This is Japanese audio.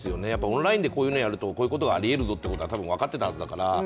オンラインでこういうのをやると、こういうことがありえるぞというのは、分かっていたはずだから。